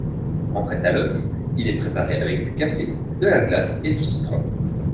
En Catalogne, il est préparé avec du café, de la glace et du citron.